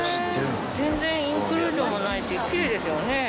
全然インクルージョンもないしキレイですよね。